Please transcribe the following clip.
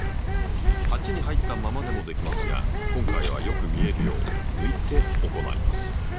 鉢に入ったままでもできますが今回はよく見えるよう抜いて行います。